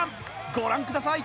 ご覧ください！